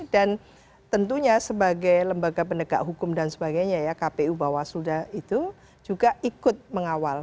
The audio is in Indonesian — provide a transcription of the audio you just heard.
dan tentunya sebagai lembaga pendekat hukum dan sebagainya ya kpu bawah suda itu juga ikut mengawal